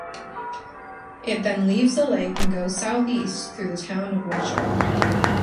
It then leaves the lake and goes southeast through the town of Watchung.